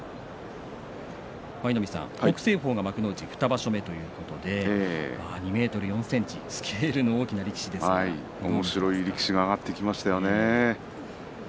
北青鵬が幕内２場所目ということで２ｍ４ｃｍおもしろい力士が上がってきましたよね。